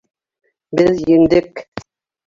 Беҙ еңдек!